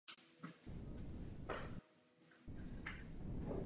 Je třeba je odpovídajícím způsobem chránit.